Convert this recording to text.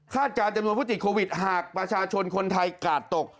การจำนวนผู้ติดโควิดหากประชาชนคนไทยกาดตก